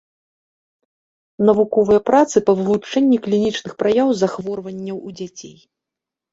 Навуковыя працы па вывучэнні клінічных праяў захворванняў у дзяцей.